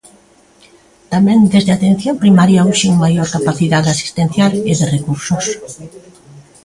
Tamén desde a Atención Primaria urxen maior capacidade asistencial e de recursos.